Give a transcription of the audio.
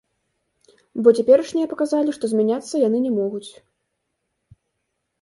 Бо цяперашнія паказалі, што змяняцца яны не могуць.